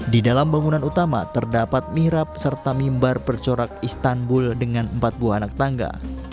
di dalam bangunan utama terdapat mihrab serta mimbar percorak istanbul dengan empat buah anak tangga